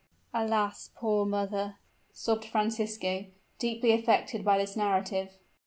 "Alas! poor mother!" sobbed Francisco, deeply affected by this narrative.